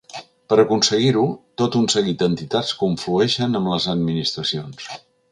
Per aconseguir-ho, tot un seguit d’entitats conflueixen amb les administracions.